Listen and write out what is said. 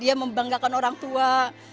dia membanggakan orang tua